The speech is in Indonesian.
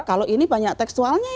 kalau ini banyak tekstualnya